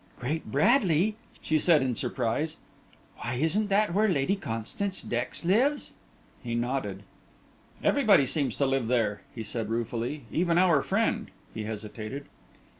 "Great Bradley!" she said, in surprise; "why, isn't that where Lady Constance Dex lives?" He nodded. "Everybody seems to live there," he said, ruefully; "even our friend," he hesitated.